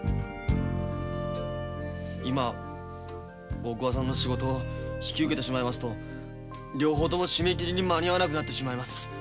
今大桑さんの仕事を引き受けてしまいますと両方とも締め切りに間に合わなくなってしまいます。